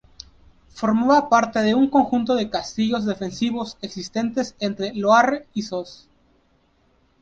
Formaba parte de un conjunto de castillos defensivos existentes entre Loarre y Sos.